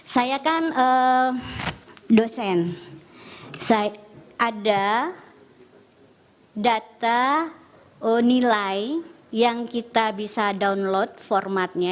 saya kan dosen ada data nilai yang kita bisa download formatnya